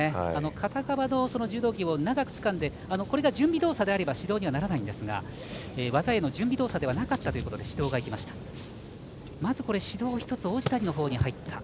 片側の柔道着を長くつかんでこれが準備動作であれば指導にはならないんですが技への準備動作ではなかったということで指導が入りました。